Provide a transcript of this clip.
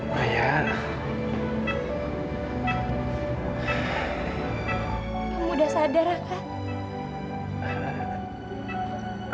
kamu udah sadar kak